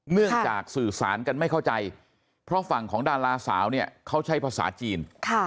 เนื่องจากสื่อสารกันไม่เข้าใจเพราะฝั่งของดาราสาวเนี่ยเขาใช้ภาษาจีน